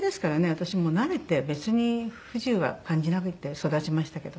私もう慣れて別に不自由は感じなくて育ちましたけど。